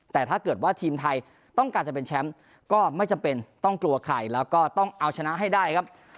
แต่ถ้าเกิดว่าทีมไทยต้องการจะเป็นแชมป์ก็ไม่จำเป็นต้องกลัวใครแล้วก็ต้องเอาชนะให้ได้ครับ